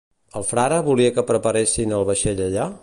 El frare volia que preparessin el vaixell allà?